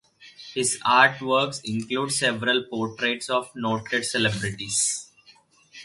His art works include several portraits of noted celebrities.